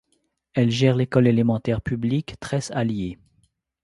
Elle gère l'école élémentaire publique Tress Allier.